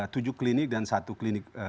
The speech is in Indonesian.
tujuh klinik dan satu klinik